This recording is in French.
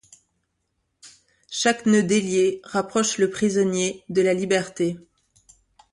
Chaque nœud délié rapproche le prisonnier de la liberté…